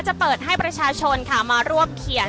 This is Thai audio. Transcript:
จะเปิดให้ประชาชนค่ะมารวบเขียน